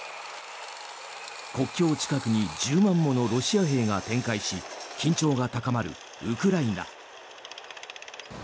国境近くに１０万ものロシア兵が展開し緊張が高まるウクライナ。